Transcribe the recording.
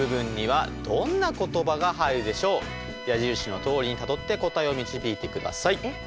矢印のとおりにたどって答えを導いてください。